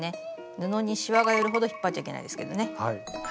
布にしわが寄るほど引っ張っちゃいけないですけどね。